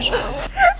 aku mau sama bapak